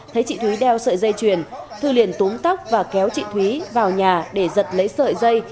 thấy chị thúy đeo sợi dây chuyền thư liền túng tóc và kéo chị thúy vào nhà để giật lấy sợi dây